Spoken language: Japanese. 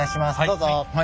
どうぞ。